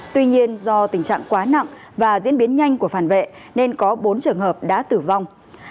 tuy nhiên do tình trạng quá nặng và diễn biến nhanh của phản vệ nên có bốn trường hợp đã tử vong